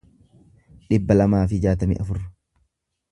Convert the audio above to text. dhibba lamaa fi jaatamii afur